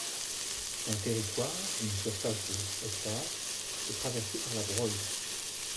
Son territoire, d'une surface de hectares, est traversé par la Broye.